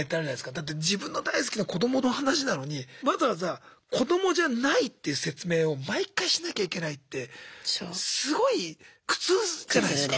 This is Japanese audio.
だって自分の大好きな子どもの話なのにわざわざ子どもじゃないっていう説明を毎回しなきゃいけないってすごい苦痛じゃないすか。